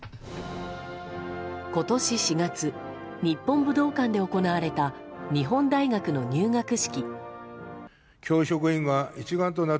今年４月、日本武道館で行われた日本大学の入学式。